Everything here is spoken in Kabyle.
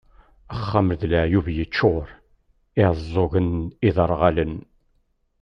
Axxam d leɛyub yeččur, iɛeẓẓugen, iderɣalen.